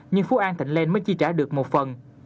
nhưng phú an thịnh lên mới chi trả được một phần